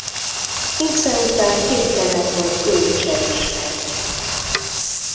Ince után kénytelen volt ő is elismerni.